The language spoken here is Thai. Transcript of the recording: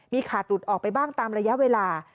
มีขาดหลุดออกไปบ้างตามระยะเวลา